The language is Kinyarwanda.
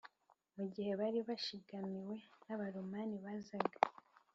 mu gihe bari bashikamiwe n’abaromanibazaga